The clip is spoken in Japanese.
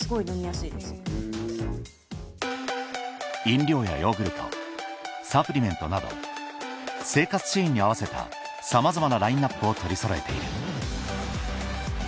飲料やヨーグルトサプリメントなど生活シーンに合わせたさまざまなラインアップを取りそろえているそのためあと何か。